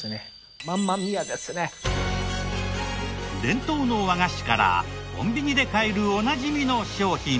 伝統の和菓子からコンビニで買えるおなじみの商品。